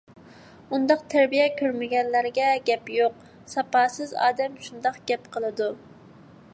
ئۇنداق تەربىيە كۆرمىگەنلەرگە گەپ يوق. ساپاسىز ئادەم شۇنداق گەپ قىلىدۇ.